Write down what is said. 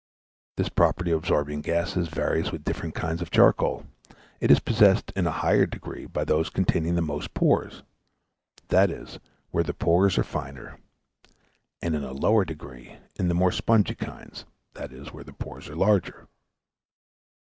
This property of absorbing gases varies with different kinds of charcoal: it is possessed in a higher degree by those containing the most pores, i.e. where the pores are finer; and in a lower degree in the more spongy kinds, i.e. where the pores are larger.